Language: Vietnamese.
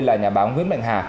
là nhà báo nguyễn bạch hà